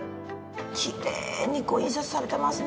きれいに印刷されてますね。